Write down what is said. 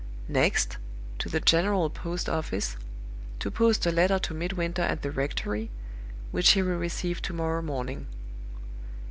Next, to the General Post office, to post a letter to Midwinter at the rectory, which he will receive to morrow morning.